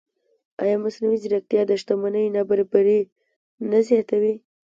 ایا مصنوعي ځیرکتیا د شتمنۍ نابرابري نه زیاتوي؟